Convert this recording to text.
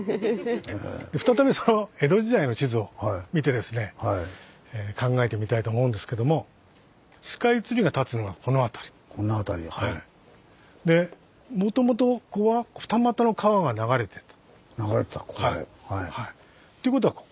再びその江戸時代の地図を見てですね考えてみたいと思うんですけどもスカイツリーが立つのはこの辺り。でもともと流れてたこうはい。